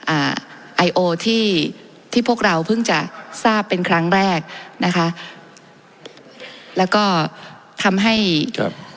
อ่าไอโอที่ที่พวกเราเพิ่งจะทราบเป็นครั้งแรกนะคะแล้วก็ทำให้ครับ